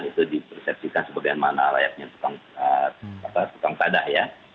itu dipersesikan sebagian mana layaknya tukang padah ya